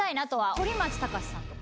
反町隆史さんとか。